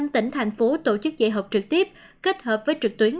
ba mươi năm tỉnh thành phố tổ chức dạy học trực tiếp kết hợp với trực tuyến